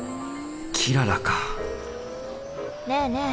キララかねえねえ。